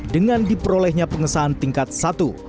dengan diperolehnya penghinaan